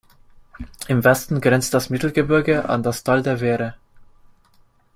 Im Westen grenzt das Mittelgebirge an das Tal der Wehre.